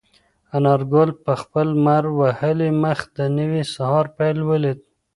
انارګل په خپل لمر وهلي مخ د نوي سهار پیل ولید.